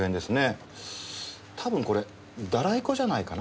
多分これダライ粉じゃないかな？